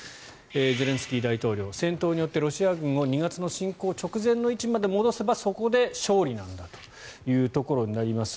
ゼレンスキー大統領戦闘によってロシア軍を２月の侵攻直前の位置まで戻せばそこで勝利なんだということになります。